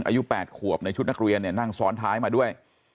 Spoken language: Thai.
อายุ๘ขวบในชุดนักเรียนเนี่ยนั่งซ้อนท้ายมาด้วย